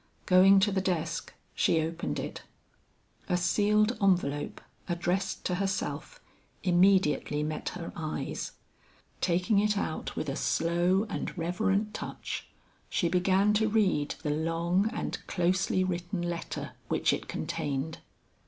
Going to the desk, she opened it. A sealed envelope addressed to herself, immediately met her eyes. Taking it out with a slow and reverent touch, she began to read the long and closely written letter which it contained.